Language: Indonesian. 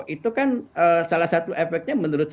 itu kan salah satu efeknya menurut saya